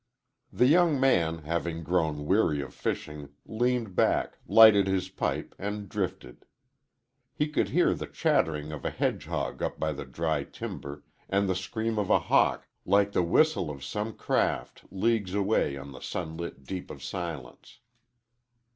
The young man, having grown weary of fishing, leaned back, lighted his pipe, and drifted. He could hear the chattering of a hedgehog up in the dry timber, and the scream of a hawk, like the whistle of some craft, leagues away on the sunlit deep of silence.